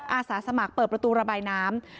อาสาสมัครเปิดประตูระบายน้ำ